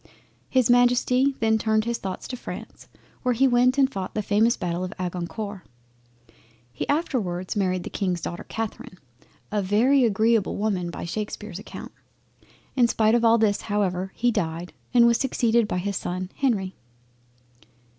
His Majesty then turned his thoughts to France, where he went and fought the famous Battle of Agincourt. He afterwards married the King's daughter Catherine, a very agreable woman by Shakespear's account. In spite of all this however he died, and was succeeded by his son Henry.